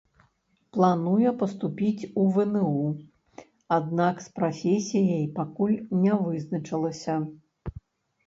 Плануе паступіць у вну, аднак з прафесіяй пакуль не вызначылася.